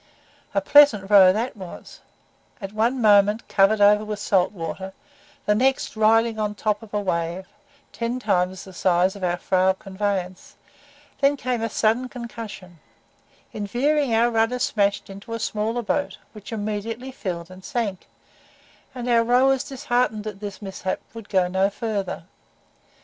A pleasant row that was, at one moment covered over with salt water the next riding on the top of a wave, ten times the size of our frail conveyance then came a sudden concussion in veering our rudder smashed into a smaller boat, which immediately filled and sank, and our rowers disheartened at this mishap would go no farther.